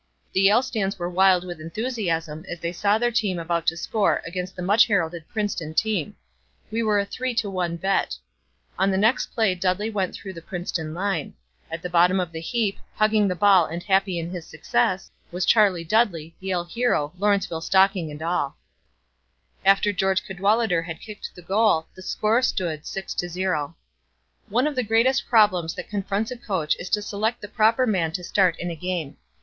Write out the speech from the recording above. The Yale stands were wild with enthusiasm as they saw their team about to score against the much heralded Princeton team. We were a three to one bet. On the next play Dudley went through the Princeton line. At the bottom of the heap, hugging the ball and happy in his success, was Charlie Dudley, Yale hero, Lawrenceville stocking and all. [Illustration: COCHRAN WAS GAME TO THE END] After George Cadwalader had kicked the goal, the score stood 6 to 0. One of the greatest problems that confronts a coach is to select the proper men to start in a game.